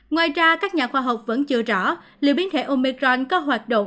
ngoài ra các nhà khoa học vẫn chưa rõ liệu biến thể omecron có hoạt động